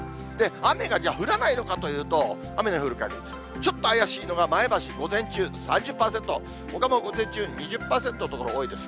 雨が降らないのかというと、雨の降る確率、ちょっと怪しいのが、前橋、午前中３０％、ほかも午前中２０％の所が多いです。